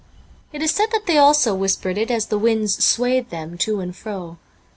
It is said that they also whispered it as the winds swayed them to and fro.